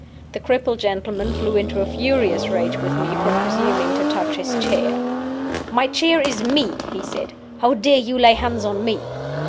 The crippled gentleman flew into a furious rage with me for presuming to touch his chair. 'My chair is Me,' he said: 'how dare you lay hands on Me?